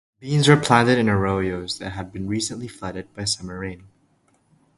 Beans were planted in arroyos that had been recently flooded by summer rain.